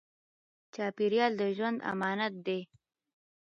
چاپېریال د ژوند امانت دی.